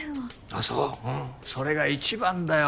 あっそううんそれが一番だよ。